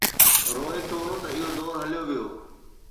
روئي ٿو ته اهو دور هليو ويو.